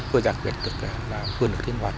vừa giải quyết được là vừa được thiên hoạt